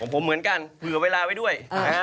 ผมเหมือนกันเผื่อเวลาไว้ด้วย